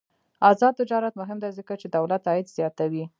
آزاد تجارت مهم دی ځکه چې دولت عاید زیاتوي.